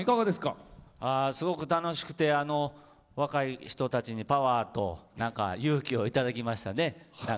すごく楽しくて若い人たちにパワーと勇気をいただきましたね。